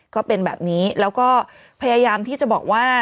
ก็เป็นแบบนี้แล้วก็พยายามที่จะบอกว่า